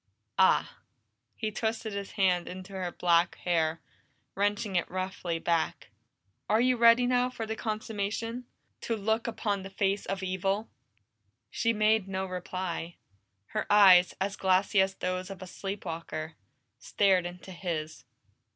"Ah!" He twisted his hand in her black hair, wrenching it roughly back. "Are you ready now for the consummation? To look upon the face of evil?" She made no reply. Her eyes, as glassy as those of a sleep walker, stared into his.